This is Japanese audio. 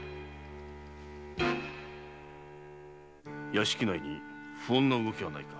屋敷内に不穏な動きはないか？